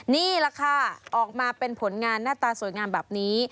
นี่แหละค่ะออกมาเป็นผลงานหน้าตาสวยงามแบบนี้